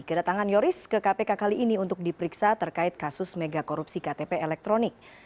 kedatangan yoris ke kpk kali ini untuk diperiksa terkait kasus mega korupsi ktp elektronik